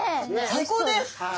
最高です。